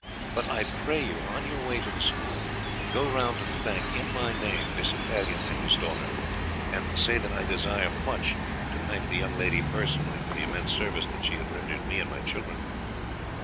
But I pray you on your way to the school go round and thank, in my name, this Italian and his daughter, and say that I desire much to thank the young lady personally for the immense service she has rendered me and my children.